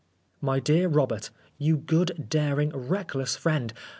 MY DEAR ROBERT, You good, daring reckless friend!